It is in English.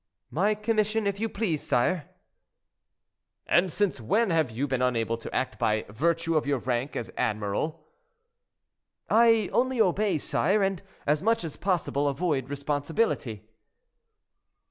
"My commission, if you please, sire." "And since when have you been unable to act by virtue of your rank as admiral?" "I only obey, sire; and, as much as possible, avoid responsibility."